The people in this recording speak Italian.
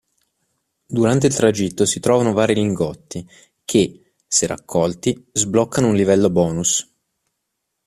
Durante il tragitto si trovano vari lingotti che, se raccolti, sbloccano un livello bonus.